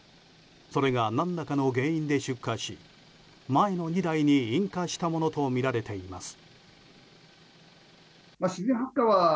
それが何らかの原因で出火し前の２台に引火したものとみられています。